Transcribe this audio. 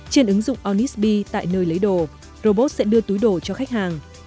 trên ứng dụng ornisb tại nơi lấy đồ robot sẽ đưa túi đồ cho khách hàng